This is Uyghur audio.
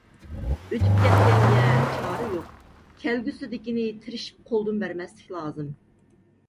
ئۆتۈپ كەتكەنگە چارە يوق، كەلگۈسىدىكىنى تىرىشىپ قولدىن بەرمەسلىك لازىم.